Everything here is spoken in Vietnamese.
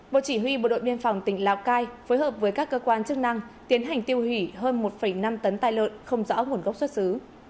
bộ chỉ huy bộ đội biên phòng tỉnh lào cai phối hợp với các cơ quan chức năng tiến hành tiêu hủy hơn một năm tấn tài lợn không rõ nguồn gốc xuất xứ